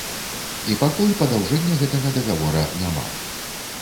І пакуль падаўжэння гэтага дагавора няма.